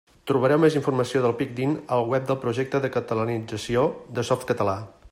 Trobareu més informació del Pidgin al web del projecte de catalanització de Softcatalà.